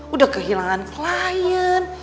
udah kehilangan klien